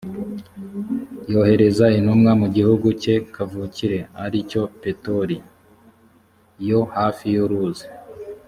yohereza intumwa mu gihugu cye kavukire ari cyo petori yo hafi y’uruzi.